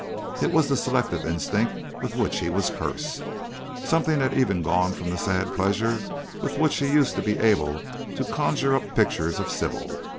It was the selective instinct with which he was cursed. Something had even gone from the sad pleasure with which he used to be able to conjure up pictures of Sybil.